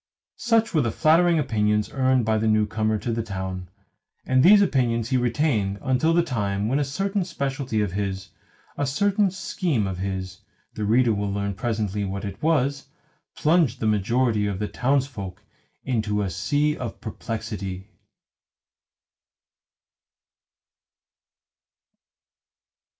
Such were the flattering opinions earned by the newcomer to the town; and these opinions he retained until the time when a certain speciality of his, a certain scheme of his (the reader will learn presently what it was), plunged the majority of the townsfolk into a sea of perplexity.